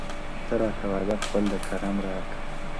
• ته راته وعده خپل د کرم راکه,